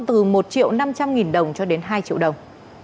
từ một triệu năm trăm linh nghìn đồng cho đến hai triệu đồng